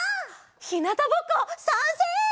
ひなたぼっこさんせい！